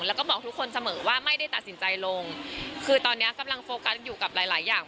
แล้วก็บอกทุกคนเสมอว่าไม่ได้ตัดสินใจลงคือตอนเนี้ยกำลังโฟกัสอยู่กับหลายหลายอย่าง